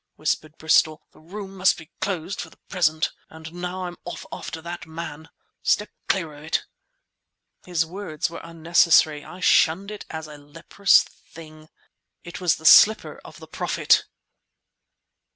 whispered Bristol. "The room must be closed for the present. And now I'm off after that man. Step clear of it." His words were unnecessary; I shunned it as a leprous thing. It was the slipper of the Prophet!